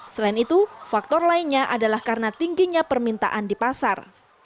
selain itu faktor lainnya adalah karena tingginya permintaan di pasar